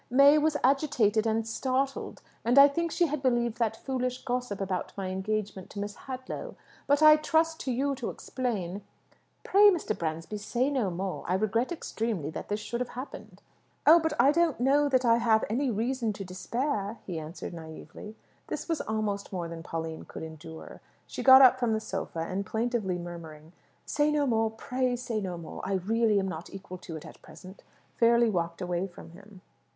May was agitated and startled, and I think she had believed that foolish gossip about my engagement to Miss Hadlow. But I trust to you to explain " "Pray, Mr. Bransby, say no more. I regret extremely that this should have happened." "Oh, but I don't know that I have any reason to despair," he answered naïvely. This was almost more than Pauline could endure. She got up from the sofa, and plaintively murmuring, "Say no more; pray say no more. I really am not equal to it at present," fairly walked away from him.